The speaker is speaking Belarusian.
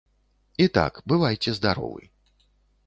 І так, бывайце здаровы.